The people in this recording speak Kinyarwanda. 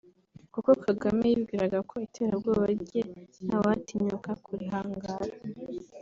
kuko Kagame yibwiraga ko iterabwoba rye ntawatinyuka kurihangara